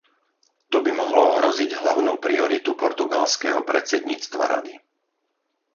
To by mohlo ohroziť hlavnú prioritu portugalského predsedníctva Rady.